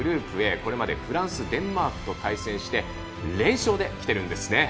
これまでフランスデンマークと対戦して連勝できているんですね。